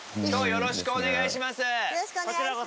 よろしくお願いします